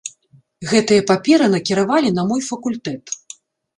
Гэтыя паперы накіравалі на мой факультэт.